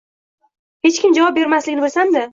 Hech kim javob bermasligini bilsam-da